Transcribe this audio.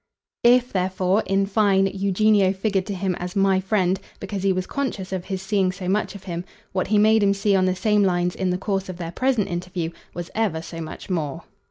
If therefore, in fine, Eugenio figured to him as "my friend" because he was conscious of his seeing so much of him, what he made him see on the same lines in the course of their present interview was ever so much more.